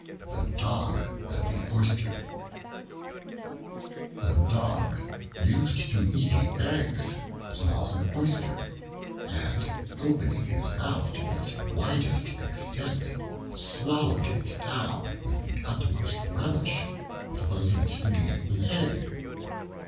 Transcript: The Dog and the Oyster A DOG, used to eating eggs, saw an Oyster and, opening his mouth to its widest extent, swallowed it down with the utmost relish, supposing it to be an egg.